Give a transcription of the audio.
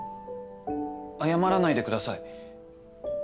謝らないでください。